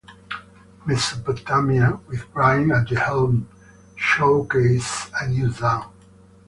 "Mesopotamia", with Byrne at the helm, showcased a new sound.